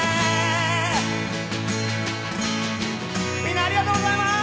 みんなありがとうございます！